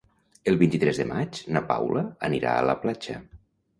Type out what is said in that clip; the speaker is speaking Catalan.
El vint-i-tres de maig na Paula anirà a la platja.